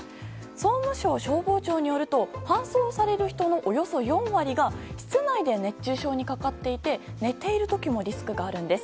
総務省消防庁によると搬送される人のおよそ４割が室内で熱中症にかかっていて寝ている時もリスクがあるんです。